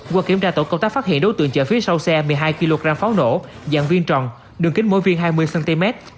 qua kiểm tra tổ công tác phát hiện đối tượng chở phía sau xe một mươi hai kg pháo nổ dạng viên tròn đường kính mỗi viên hai mươi cm